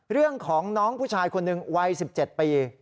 เรื่องของน้องผู้ชายคนหนึ่งวัย๑๗ปี